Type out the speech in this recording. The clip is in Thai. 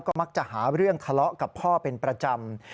ก็มักจะหาเรื่องทะเลาะกับพ่อเป็นประจำ